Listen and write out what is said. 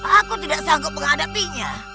aku tidak sanggup menghadapinya